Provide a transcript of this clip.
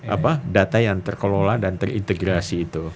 apa data yang terkelola dan terintegrasi itu